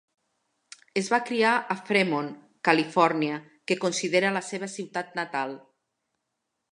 Es va criar a Fremont, Califòrnia, que considera la seva ciutat natal.